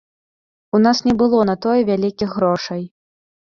У нас не было на тое вялікіх грошай.